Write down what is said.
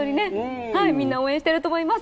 みんな応援していると思います。